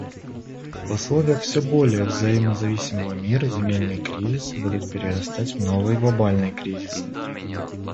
В условиях всё более взаимозависимого мира земельные кризисы будут перерастать в новые глобальные кризисы.